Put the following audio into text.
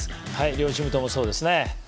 両チームともそうですね。